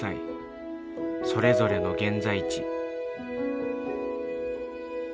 それぞれの現在地。